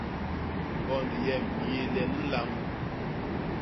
Ñgond yem i yé len nlamb.